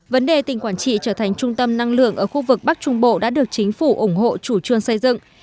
vấn đề tỉnh quảng trị trở thành trung tâm năng lượng ở khu vực bắc trung bộ đã được chính phủ ủng hộ chủ trương xây dựng